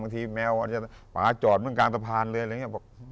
บางทีแมวป๊าจอดบนกลางสะพานเลย